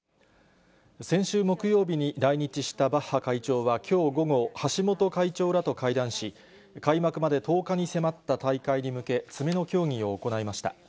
先週木曜日に来日したバッハ会長はきょう午後、橋本会長らと会談し、開幕まで１０日に迫った大会に向け、詰めの協議を行いました。